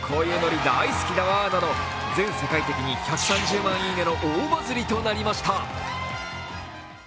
全世界的に１３０万いいねの大バズりとなりました。